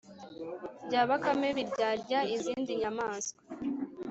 bya bakame biryarya izindi nyamaswa.